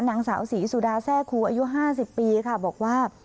นางสาวศรีสุดาแทร่ครูอายุ๕๐ปีค่ะบอกว่า